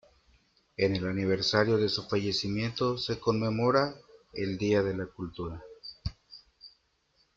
En el aniversario de su fallecimiento se conmemora el "Día de la Cultura".